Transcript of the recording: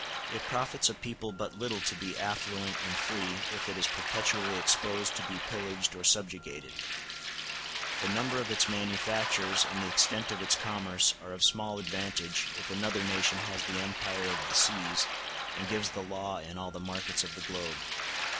It profits a people but little to be affluent and free if it is perpetually exposed to be pillaged or subjugated; the number of its manufactures and the extent of its commerce are of small advantage if another nation has the empire of the seas and gives the law in all the markets of the globe.